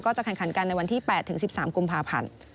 จะแข่งขันกันในวันที่๘๑๓กุมภาพันธ์